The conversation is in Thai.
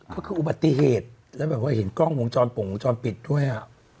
เขาคืออุบัติเหตุและแบบว่าเห็นกล้องฝงจรปุ่งฝงจรปิดด้วยอืม